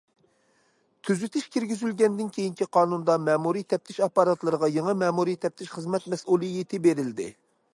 تۈزىتىش كىرگۈزۈلگەندىن كېيىنكى قانۇندا مەمۇرىي تەپتىش ئاپپاراتلىرىغا يېڭى مەمۇرىي تەپتىش خىزمەت مەسئۇلىيىتى بېرىلدى.